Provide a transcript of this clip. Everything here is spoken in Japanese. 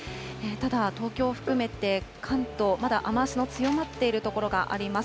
ただ東京を含めて、関東、まだ雨足の強まっている所があります。